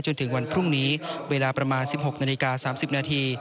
จนถึงวันพรุ่งนี้เวลาประมาณ๑๖นาฬิกา๓๐นาที